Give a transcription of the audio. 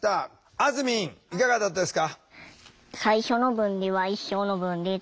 あずみんいかがだったですか？